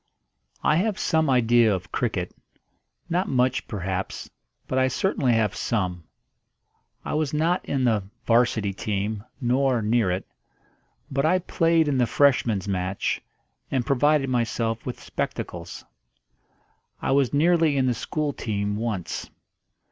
I have some idea of cricket not much, perhaps, but I certainly have some. I was not in the 'Varsity team, nor near it; but I played in the Freshman's match, and provided myself with spectacles. I was nearly in the school team once.